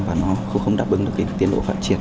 và nó không đáp ứng được cái tiến độ phát triển